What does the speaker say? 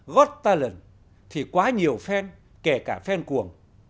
got talent thì quá nhiều fan kể cả fan cuồng